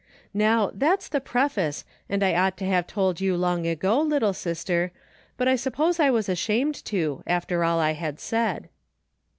Now, that's the preface and I ought to have told you long ago, little sister, but I suppose I was ashamed to, after all I had said.